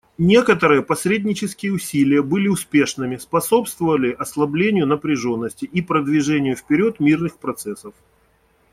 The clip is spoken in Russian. Некоторые посреднические усилия были успешными, способствовали ослаблению напряженности и продвижению вперед мирных процессов.